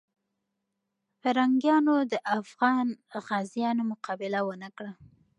پرنګیانو د افغان غازیانو مقابله ونه کړه.